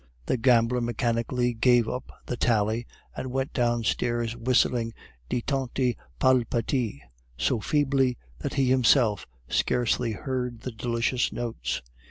The gambler mechanically gave up the tally, and went downstairs whistling Di tanti Palpiti so feebly, that he himself scarcely heard the delicious notes.